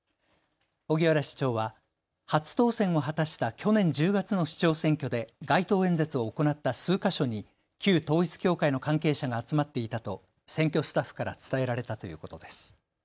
荻原市長は初当選を果たした去年１０月の市長選挙で街頭演説を行った数か所に旧統一教会の関係者が集まっていたと選挙スタッフから伝えられたということです。